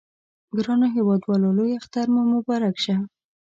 ګرانو هیوادوالو لوی اختر مو مبارک شه!